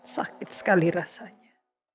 sakit sekali rasanya